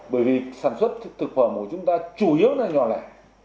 bởi vì sản xuất thực phẩm của chúng ta chủ yếu là nhỏ lẻ